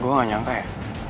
gue gak nyangka ya